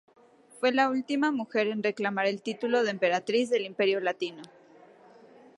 Fue la última mujer en reclamar el título de emperatriz del Imperio Latino.